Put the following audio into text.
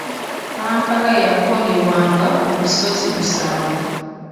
Kampala yakolebwanga obusozi musanvu.